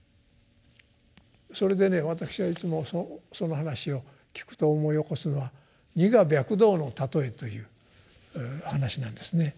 それでね私はいつもその話を聞くと思い起こすのは「二河白道のたとえ」という話なんですね。